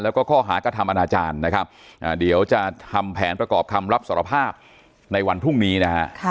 แล้วก็ข้อหากระทำอนาจารย์นะครับเดี๋ยวจะทำแผนประกอบคำรับสารภาพในวันพรุ่งนี้นะฮะ